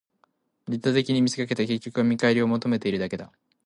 利他的に見せかけて、結局は見返りを求めているだけだ